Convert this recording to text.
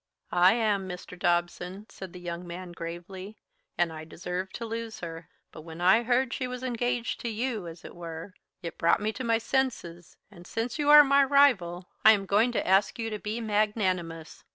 "I am, Mr. Dobson," said the young man gravely, "and I deserve to lose her. But when I heard that she was engaged to you as it were it brought me to my senses, and, since you are my rival, I am going to ask you to be magnanimous.